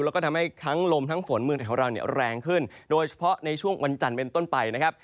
แล้วก็ทำให้ทั้งลมทั้งฝนเมืองไทยของเราเนี่ยแรงขึ้นโดยเฉพาะในช่วงวันจันทร์เป็นต้นไปนะครับ